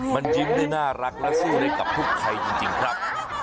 มันยิ้มได้น่ารักและสู้ได้กับทุกใครจริงครับ